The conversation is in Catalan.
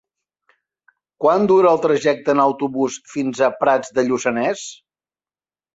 Quant dura el trajecte en autobús fins a Prats de Lluçanès?